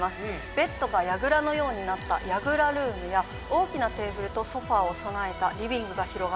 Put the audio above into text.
ベッドがやぐらのようになったやぐらルームや大きなテーブルとソファを備えたリビングが広がる